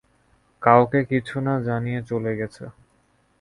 কাউকে কিছু না জানিয়ে চলে গেছে।